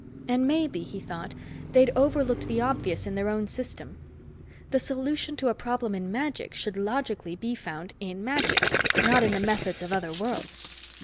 And maybe, he thought, they'd overlooked the obvious in their own system. The solution to a problem in magic should logically be found in magic, not in the methods of other worlds.